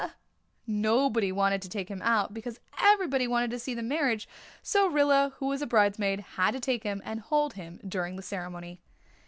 Nobody wanted to take him out, because everybody wanted to see the marriage, so Rilla who was a bridesmaid, had to take him and hold him during the ceremony.